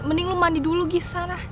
mending lu mandi dulu gisa